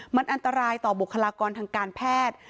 มันอันตรายต่อบุคลากรทางการแพทย์